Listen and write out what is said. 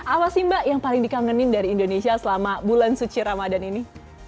apa sih mbak yang paling dikangenin dari indonesia selama bulan suci ramadan ini